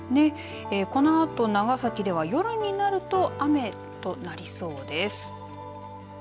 このあと、長崎では夜になると雨となりそうです。